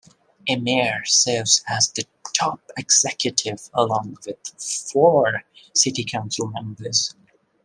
A mayor serves as the top executive along with four city council members.